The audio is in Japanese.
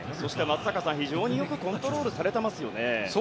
非常によくコントロールされていますね。